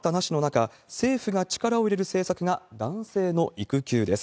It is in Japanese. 少子化対策待ったなしの中、政府が力を入れる政策が、男性の育休です。